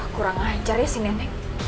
kurang ajar ya si neneng